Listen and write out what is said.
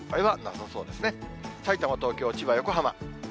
さいたま、東京、千葉、横浜。